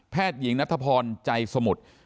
แพทย์หญิงนัทธพรใจสมุทธ์